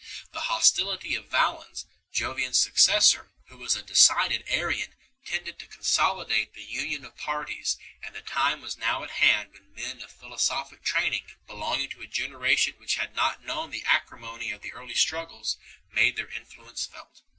The hostility i of Valens, Jovian s successor, who was a decided Arian, tended to consolidate the union of parties, and the time was now at hand when men of philosophic training, belong ing to a generation which had not known the acrimony of the early struggles, made their influence felt.